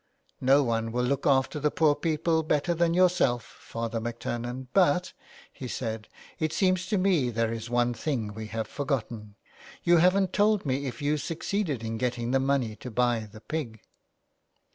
''" No one will look after the poor people better than yourself, Father MacTurnan. But," he said. " it seems to me there is one thing we have forgotten. You haven't told me if you succeeded in getting the money to buy the pig."